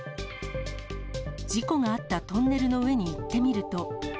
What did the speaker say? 事故があったトンネルの上に行ってみると。